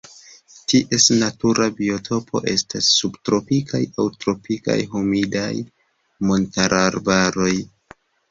Ties natura biotopo estas subtropikaj aŭ tropikaj humidaj montarbaroj.